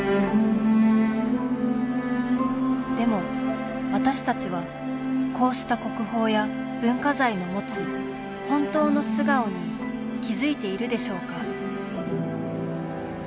でも、私たちはこうした国宝や文化財の持つ本当の素顔に気付いているでしょうか？